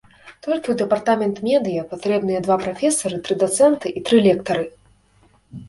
Толькі ў дэпартамент медыя патрэбныя два прафесары, тры дацэнты і тры лектары.